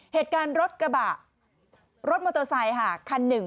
เหตุการณ์รถกระบะรถมอเตอร์ไซค์ค่ะคันหนึ่ง